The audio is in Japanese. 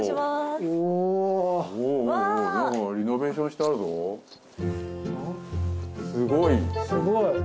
すごい。